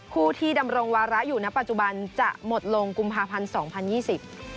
ผู้ที่ดำรงวาระอยู่ในปัจจุบันจะหมดลงกุมภาพันธ์๒๐๒๐